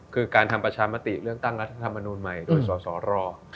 คือการทำประชามติเรื่องตั้งรัฐธรรมนูลใหม่โดยสสร